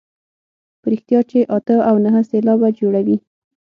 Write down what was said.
په رښتیا چې اته او نهه سېلابه جوړوي.